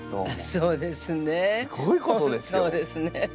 そうですね。